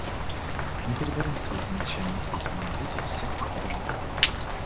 Мы передадим свои замечания в письменном виде в секретариат.